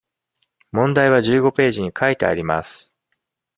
問題は十五ページに書いてあります。